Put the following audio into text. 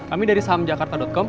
kami dari sahamjakarta com